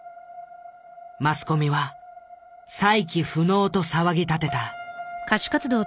マスコミは「再起不能」と騒ぎ立てた。